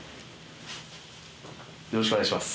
よろしくお願いします。